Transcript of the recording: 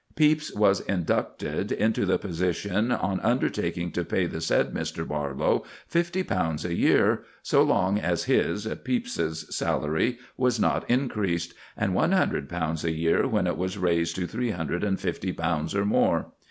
Pepys was inducted into the position on undertaking to pay the said Mr. Barlow fifty pounds a year so long as his (Pepys's) salary was not increased, and one hundred pounds a year when it was raised to three hundred and fifty pounds or more.